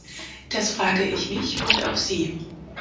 Das frage ich mich und auch Sie.